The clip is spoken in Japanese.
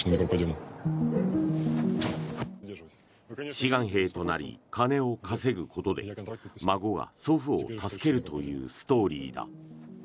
志願兵となり金を稼ぐことで孫が祖父を助けるというストーリーだ。